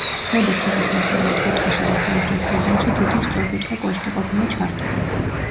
ქვედა ციხის დასავლეთ კუთხეში და სამხრეთ კედელში თითო სწორკუთხა კოშკი ყოფილა ჩართული.